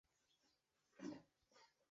微睾短腺吸虫为双腔科短腺属的动物。